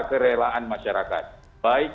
kerelaan masyarakat baik